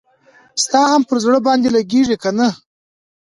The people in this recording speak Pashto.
ستا هم پر زړه باندي لګیږي کنه؟